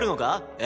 え？